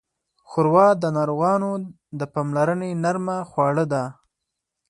ښوروا د ناروغانو د پاملرنې نرمه خواړه ده.